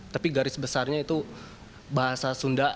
tapi garis besarnya itu bahasa sunda